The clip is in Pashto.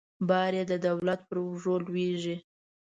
بار یې د دولت پر اوږو لویږي.